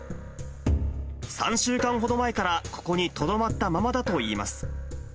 ３週間ほど前からここにとどまったままだといいます。